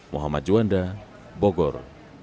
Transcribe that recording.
muhammad juanda bogor